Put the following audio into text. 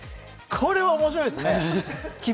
これは面白いですね。